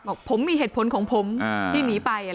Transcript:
บอกผมมีเหตุผลของผมที่หนีไป